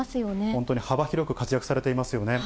本当に幅広く活躍されていますよね。